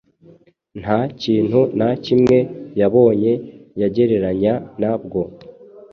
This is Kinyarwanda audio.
Nta kintu na kimwe yabonye yagereranya na bwo.